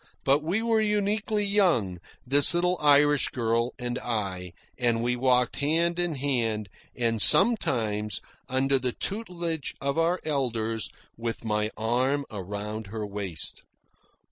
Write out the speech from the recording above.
But we were uniquely young, this little Irish girl and I, and we walked hand in hand, and, sometimes, under the tutelage of our elders, with my arm around her waist.